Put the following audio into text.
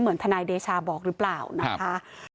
ทนายเดชาบอกหรือเปล่านะคะ